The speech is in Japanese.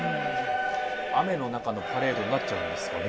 雨の中のパレードになっちゃうんですかね。